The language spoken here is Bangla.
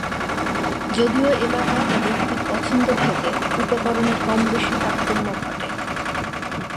যদিও এলাকা বা ব্যক্তির পছন্দ ভেদে উপকরণের কমবেশি বা তারতম্য ঘটে।